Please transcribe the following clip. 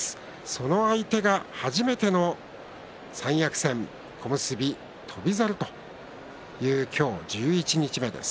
その相手が初めての三役戦小結翔猿という今日十一日目です。